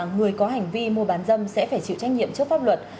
người có hành vi mua bán dâm sẽ phải chịu trách nhiệm trước pháp luật